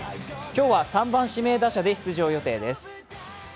今日は３番・指名打者で出場予定です。